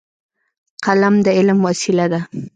قلم د علم وسیله ده.